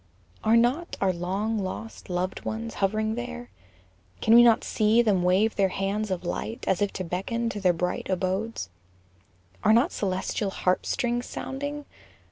Are not our long lost loved ones hov'ring there, Can we not see them wave their hands of light, As if to beckon to their bright abodes? Are not celestial harp strings sounding?